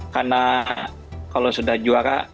karena kalau sudah juara